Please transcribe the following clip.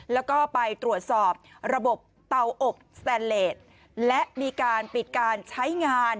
แล้วก็ไปตรวจสอบระบบเตาอบสแตนเลสและมีการปิดการใช้งาน